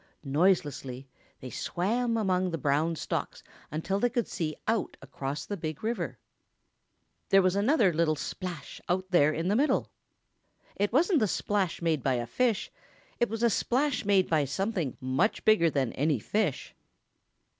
Noiselessly they swam among the brown stalks until they could see out across the Big River. There was another little splash out there in the middle. It wasn't the splash made by a fish; it was a splash made by something much bigger than any fish.